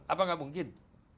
apa tidak mungkin